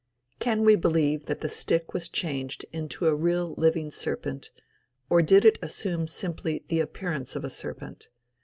Can we believe that the stick was changed into a real living serpent, or did it assume simply the appearance of a serpent?